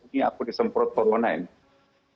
ini aku disemprot corona ini